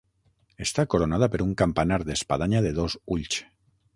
Està coronada per un campanar d'espadanya de dos ulls.